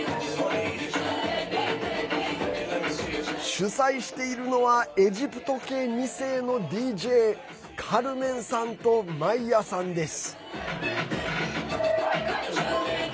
主催しているのはエジプト系２世のＤＪカルメンさんとマイヤさんです。